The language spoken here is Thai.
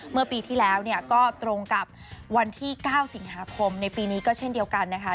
เมื่อปีที่แล้วก็ตรงกับวันที่๙สิงหาคมในปีนี้ก็เช่นเดียวกันนะคะ